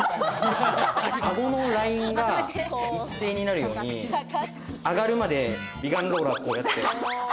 アゴのラインが一定になるように、上がるまで美顔ローラーをこうやって。